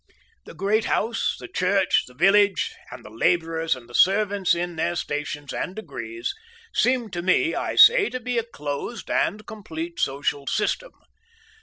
The great house, the church, the village, and the labourers and the servants in their stations and degrees, seemed to me, I say, to be a closed and complete social system.